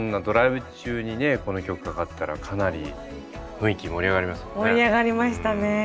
ドライブ中にねこの曲かかったらかなり雰囲気盛り上がりますよね。